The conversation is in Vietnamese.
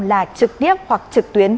là trực tiếp hoặc trực tuyến